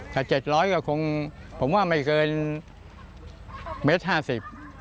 ถ้าเจ็ดร้อยก็คงผมว่าไม่เกินเมตรห้าสิบ